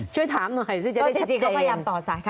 ช่วยถามหน่อยซึ่งจะชัดใจใน